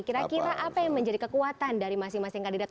kira kira apa yang menjadi kekuatan dari masing masing kandidat